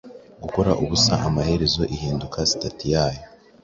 Gukora ubusa amaherezo ihinduka stati yayo,